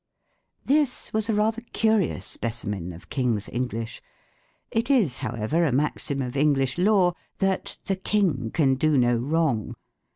This was a rather curious specimen of " King's English." It is, however, a maxim of English law, that "the King can do no wrong."